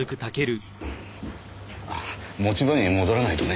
持ち場に戻らないとね。